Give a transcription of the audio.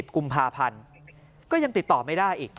กุมภาพันธ์ก็ยังติดต่อไม่ได้อีก